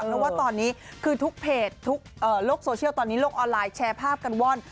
เพราะว่าตอนนี้คือทุกเพจทุกโลกโซเชียลตอนนี้โลกออนไลน์แชร์ภาพกันว่อน